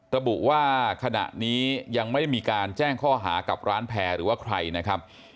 ระบุว่าขณะนี้ยังไม่ได้มีการแจ้งข้อหากับร้านแพร่หรือว่าใครนะครับ